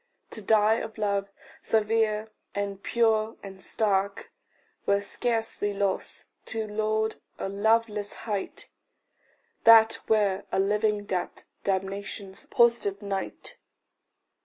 To die of love severe and pure and stark, Were scarcely loss; to lord a loveless height That were a living death, damnation's positive night.